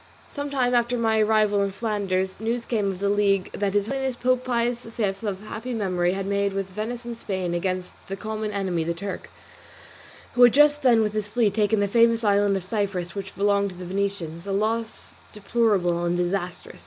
Some time after my arrival in Flanders news came of the league that his Holiness Pope Pius V of happy memory, had made with Venice and Spain against the common enemy, the Turk, who had just then with his fleet taken the famous island of Cyprus, which belonged to the Venetians, a loss deplorable and disastrous.